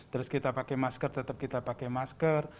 terus kita pakai masker tetap kita pakai masker